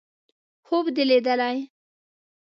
_خوب دې ليدلی!